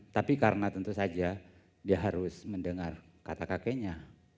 tapi karena tentu saja dia harus mendengar kata kakeknya